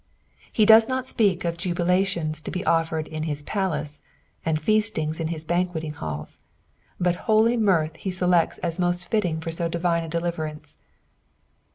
He does not speak of jubilatioas to be offered in his psiaco, and feastiogs in his banqueting halls, but boly mirth he selects as most fitting for so diTine n deliTemnce.